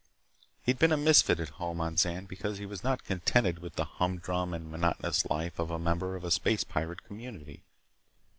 He'd been a misfit at home on Zan because he was not contented with the humdrum and monotonous life of a member of a space pirate community.